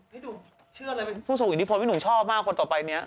พี่ดูเชื่อเลยเป็นผู้ทรงอิทธิพลที่หนูชอบมากคนต่อไปนี้